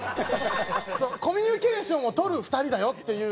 コミュニケーションを取る２人だよっていう。